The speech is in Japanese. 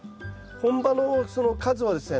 本葉のその数はですね